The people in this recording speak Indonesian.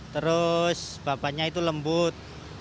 terus babatnya itu lembut